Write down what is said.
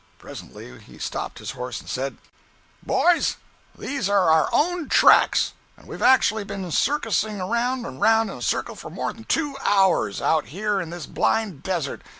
Presently he stopped his horse and said: "Boys, these are our own tracks, and we've actually been circussing round and round in a circle for more than two hours, out here in this blind desert!